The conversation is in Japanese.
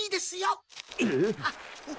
えっ？